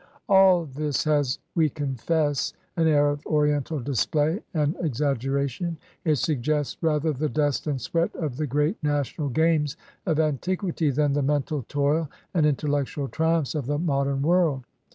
All this has, we confess, an air of Oriental display and exaggeration. It suggests rather the dust and sweat of the great national games of antiquity than the mental toil and intellectual triumphs of the modern world.